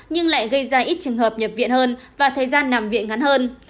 nhưng lại gây ra ít trường hợp nhập viện hơn và thời gian nằm viện ngắn hơn